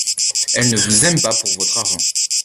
Elle ne vous aime pas pour votre argent.